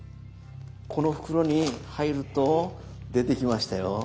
この袋に入ると出てきましたよ。